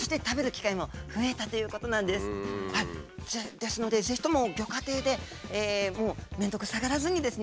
ですのでぜひともギョ家庭でもう面倒くさがらずにですね